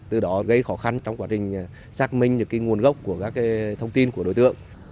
từ đó gây khó khăn trong quá trình xác minh những nguồn gốc của các thông tin của đối tượng